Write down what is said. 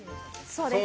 そうです。